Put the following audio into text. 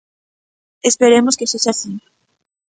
Esperemos que sexa así.